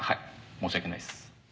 申し訳ないです」